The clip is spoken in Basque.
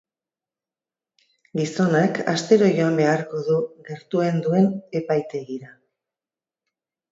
Gizonak astero joan beharko du gertuen duen epaitegira.